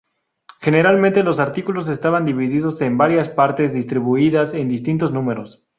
Generalmente los artículos estaban divididos en varias partes, distribuidas en distintos números.